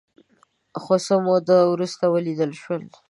خو څه موده وروسته ولیدل شول